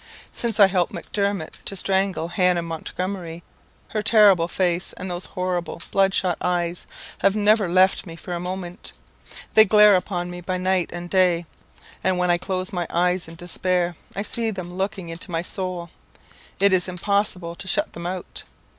Since I helped Macdermot to strangle Hannah Montgomery, her terrible face and those horrible bloodshot eyes have never left me for a moment. They glare upon me by night and day, and when I close my eyes in despair, I see them looking into my soul it is impossible to shut them out.